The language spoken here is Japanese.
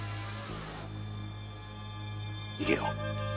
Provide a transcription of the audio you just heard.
〔逃げよう。